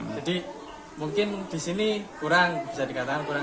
jadi mungkin di sini kurang bisa dikatakan